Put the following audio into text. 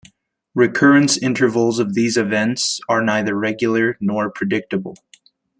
Recurrence intervals of these events are neither regular nor predictable.